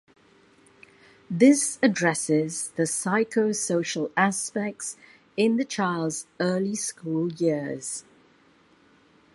This addresses the psychosocial aspects in the child's early school years.